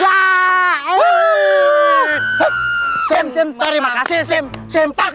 kau ini mereka makin pemanah